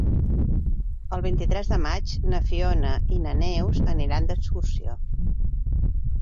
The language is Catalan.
El vint-i-tres de maig na Fiona i na Neus aniran d'excursió.